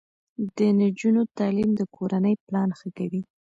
د نجونو تعلیم د کورنۍ پلان ښه کوي.